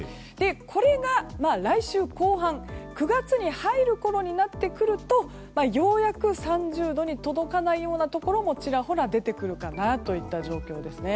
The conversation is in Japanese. これが来週後半９月に入るころになってくるとようやく３０度に届かないようなところもちらほら出てくるかなといった状況ですね。